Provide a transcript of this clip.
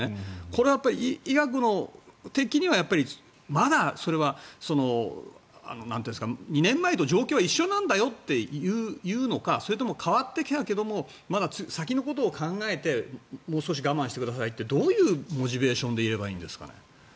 これは医学的にはまだそれは２年前と状況は一緒なんだよというのかそれとも変わってきたけどまだ先のことを考えてもう少し我慢してくださいってどういうモチベーションでいればいいんですかね。